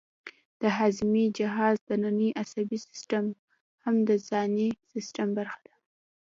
د هاضمې جهاز دنننی عصبي سیستم هم د ځانی سیستم برخه ده